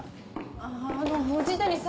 ああの藤谷さん！